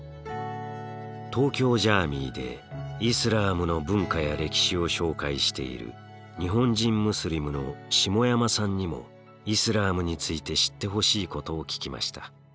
東京ジャーミイでイスラームの文化や歴史を紹介している日本人ムスリムの下山さんにもイスラームについて知ってほしいことを聞きました。